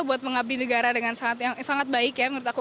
buat mengabdi negara dengan sangat baik ya menurut aku